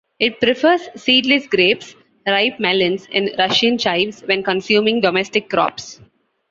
It prefers seedless grapes, ripe melons and Russian chives when consuming domestic crops.